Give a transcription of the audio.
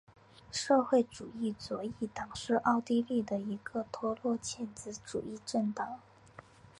社会主义左翼党是奥地利的一个托洛茨基主义政党。